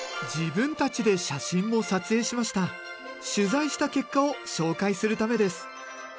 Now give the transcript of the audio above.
取材した結果を紹介するためです。